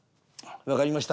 「分かりました」。